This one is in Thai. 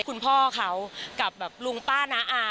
คุณพ่อเขากับแบบลุงป้าน้าอา